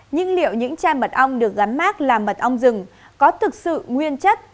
nhưng liệu những chai mật ong được gắn mát là mật ong rừng có thực sự nguyên chất